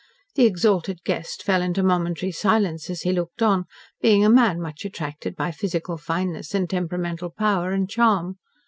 The exalted guest fell into momentary silence as he looked on, being a man much attracted by physical fineness and temperamental power and charm.